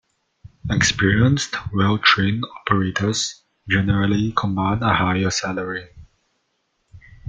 Experienced, well trained operators generally command a higher salary.